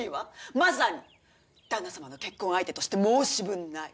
まさに旦那様の結婚相手として申し分ない。